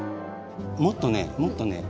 もっとねもっとね。